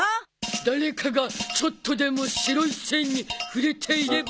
誰かがちょっとでも白い線に触れていればオッケー！